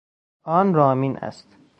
آن رامین است.